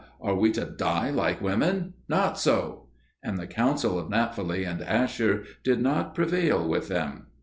Are we to die like women? Not so!" And the counsel of Naphtali and Asher did not prevail with them.